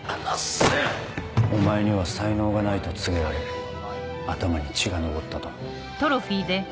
お前には才能がないと告げられ頭に血が上ったと。